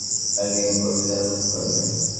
তারা ভেঙ্গে পড়বে যখন তারা বুঝতে পারবে।